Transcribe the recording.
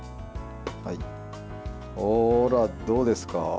ほら、どうですか？